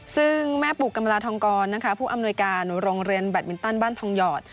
ซึ่งแม่ปู่กำลาทองกรนะคะผู้อำนวยการโรงเรียนแบตมินตันบ้านทองหยอด